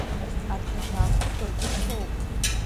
Арҭ ақьаафырқәа ргәы иҭоу?